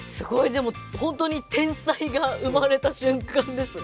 でも本当に天才が生まれた瞬間ですね。